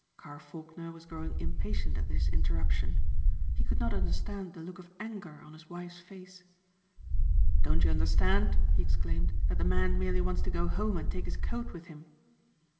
Carr Faulkner was growing impatient at this interruption. He could not understand the look of anger on his wife's face. "Don't you understand," he exclaimed, "that the man merely wants to go home and take his coat with him?"